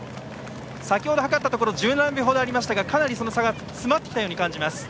先程、計ったところ１７秒程ありましたがかなり、その差が詰まってきたように感じます。